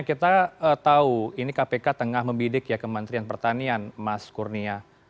kita tahu ini kpk tengah membidik ya kementerian pertanian mas kurnia